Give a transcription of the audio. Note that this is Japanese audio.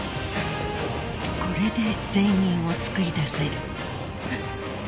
［これで全員を救い出せる］